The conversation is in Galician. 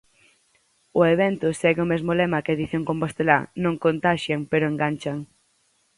O evento segue o mesmo lema que a edición compostelá: "non contaxian pero enganchan".